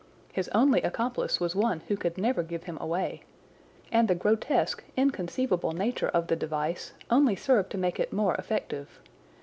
His only accomplice was one who could never give him away, and the grotesque, inconceivable nature of the device only served to make it more effective.